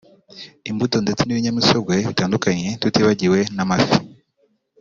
imbuto ndetse n’ibinyamisogwe bitandukannye tutibagiwe n’amafi